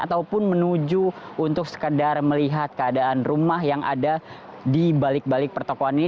ataupun menuju untuk sekedar melihat keadaan rumah yang ada di balik balik pertokohan ini